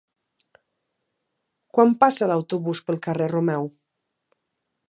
Quan passa l'autobús pel carrer Romeu?